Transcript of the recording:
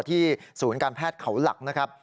ศูนย์การแพทย์เขาหลักนะครับ